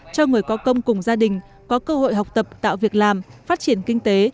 cho người có công cùng gia đình có cơ hội học tập tạo việc làm phát triển kinh tế